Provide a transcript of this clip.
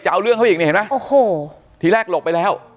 เอาเรื่องเขาอีกนี่เห็นไหมโอ้โหทีแรกหลบไปแล้ว